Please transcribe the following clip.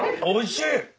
おいしい！